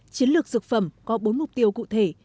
chiến lược dược phẩm có bốn mục tiêu cụ thể